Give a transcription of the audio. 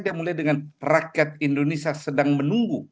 kita mulai dengan rakyat indonesia sedang menunggu